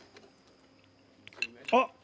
あっ。